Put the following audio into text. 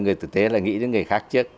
người thực tế là nghĩ đến người khác trước